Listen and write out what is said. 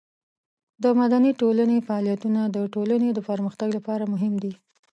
د مدني ټولنې فعالیتونه د ټولنې د پرمختګ لپاره مهم دي.